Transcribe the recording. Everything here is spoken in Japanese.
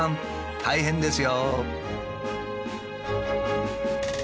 大変ですよ。